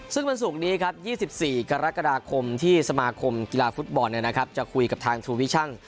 ซึ่งมันสุขดีครับ๒๔กรกฎาคมที่สมาคมกีฬาฟุตบอลเนี่ยนะครับจะคุยกับทางทูวิชั่ง